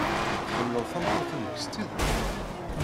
Tḥemmleḍ tameṭṭut-nnek s tidet?